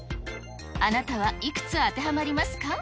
あなたはいくつ当てはまりますか。